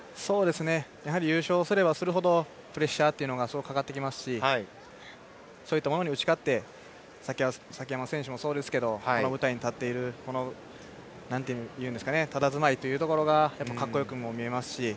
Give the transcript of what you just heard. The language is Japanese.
やはり優勝すればするほどプレッシャーがすごくかかってきますしそういったものに打ち勝って崎山選手もそうですがこの舞台に立っているたたずまいというところが格好よくも見えますし。